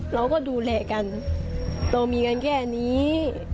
เราก็ดูแลกันเรามีกันแค่นี้